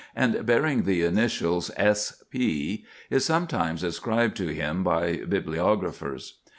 and bearing the initials, S. P., is sometimes ascribed to him by bibliographers.